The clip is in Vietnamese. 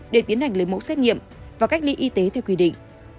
để tiến hành lấy mẫu xét nghiệm và cách ly y tế theo quy định